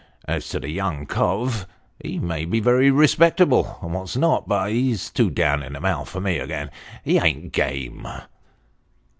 As to the young cove, he may be very respectable and what not, but he's too down in the mouth for me he ain't game."